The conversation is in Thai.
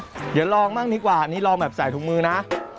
เดี๋ยวลองบ้างดีกว่านี่ลองแบบใส่ถุงมือนะ